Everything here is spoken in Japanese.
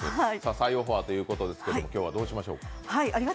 再オファーということですけど今日はどうしましょうか？